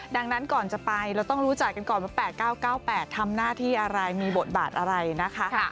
ดังนั้นก่อนจะไปเราต้องรู้จักกันก่อนว่า๘๙๙๘ทำหน้าที่อะไรมีบทบาทอะไรนะคะ